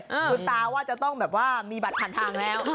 คุณตาว่าจะต้องแบบว่ามีบัตรผ่านทางแล้ว